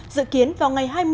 dự kiến vào ngày mai